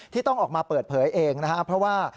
ที่ต้องออกมาเปิดเผยเองเพราะว่า